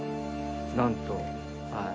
なんとはい。